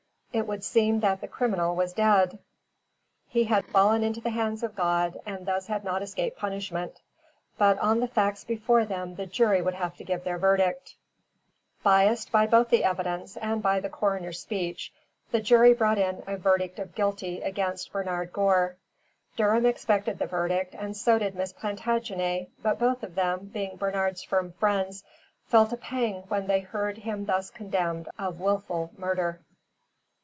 It would seem that the criminal was dead. He had fallen into the hands of God, and thus had not escaped punishment. But on the facts before them the jury would have to give their verdict. Biased both by the evidence and by the Coroner's speech, the jury brought in a verdict of guilty against Bernard Gore. Durham expected the verdict and so did Miss Plantagenet, but both of them, being Bernard's firm friends, felt a pang when they heard him thus condemned of wilful murder.